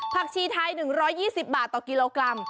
ชีไทย๑๒๐บาทต่อกิโลกรัม